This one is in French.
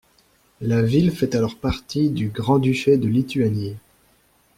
La ville fait alors partie du grand-duché de Lituanie.